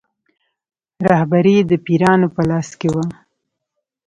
رهبري یې د پیرانو په لاس کې وه.